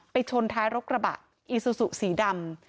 ไปชนท้ายรกระบะอิซูสุสีดำ